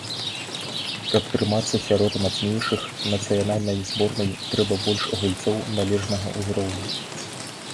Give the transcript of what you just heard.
Каб трымацца сярод мацнейшых, нацыянальнай зборнай трэба больш гульцоў належнага ўзроўню.